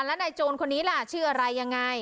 แล้วนายโจรคนนี้ล่ะชื่ออะไรยังไง